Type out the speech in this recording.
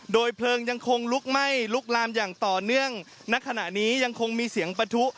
โดยเพลิงยังคงลุกไหม้ลุกลามอย่างต่อเนื่องณขณะนี้ยังคงมีเสียงปะทุ